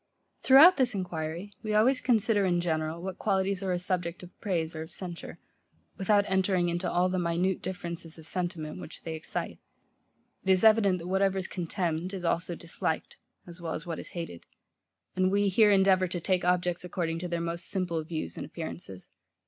Throughout this enquiry, we always consider in general, what qualities are a subject of praise or of censure, without entering into all the minute differences of sentiment, which they excite. It is evident, that whatever is contemned, is also disliked, as well as what is hated; and we here endeavour to take objects, according to their most simple views and appearances.